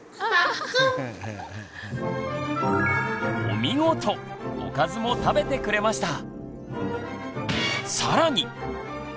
おかずも食べてくれました！